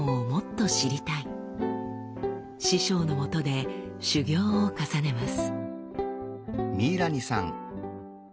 師匠のもとで修業を重ねます。